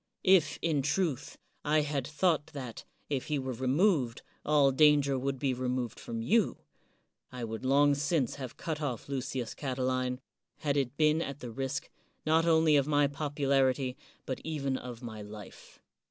If, in truth, I had thought that, if he were removed, all danger would be removed from you, I would long since have cut oflf Lucius Catiline, had it been at the risk, not only of my popularity, but even of my life.